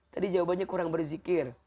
tadi jawabannya kurang berzikir